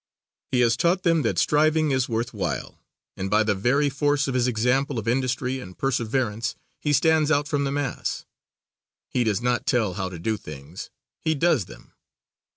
He has taught them that striving is worth while, and by the very force of his example of industry and perseverance, he stands out from the mass. He does not tell how to do things, he does them.